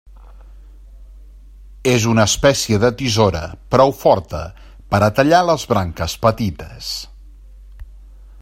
És una espècie de tisora prou forta per a tallar les branques petites.